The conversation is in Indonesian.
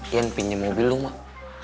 iyan pinjem mobil lu mak